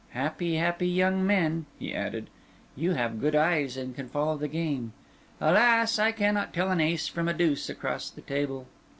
Happy, happy young men!" he added. "You have good eyes, and can follow the game. Alas! I cannot tell an ace from a deuce across the table."